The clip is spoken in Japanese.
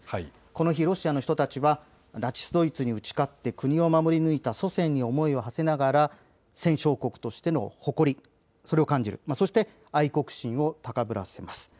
この日、ロシアの人たちはナチス・ドイツに打ち勝って国を守り抜いた祖先に思いをはせながら戦勝国としての誇り、それを感じる、そして愛国心を高ぶらせます。